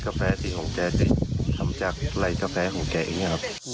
กาแฟสิ่งของแกจะทำจากไร้กาแฟของแกเองนะครับ